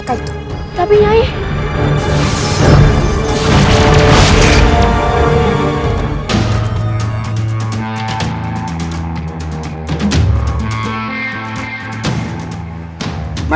aku sangat batas dari dan terima